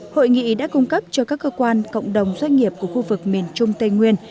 hội nghị đã cung cấp cho các cơ quan cộng đồng doanh nghiệp của khu vực miền trung tây nguyên